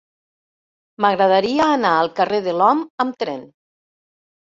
M'agradaria anar al carrer de l'Om amb tren.